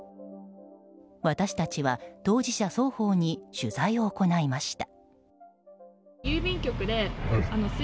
私たちは当事者双方に取材を行いました。